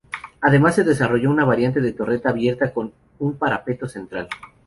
Además se desarrolló una variante de torreta abierta con un parapeto central.